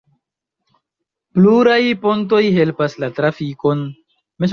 Pluraj pontoj helpas la trafikon.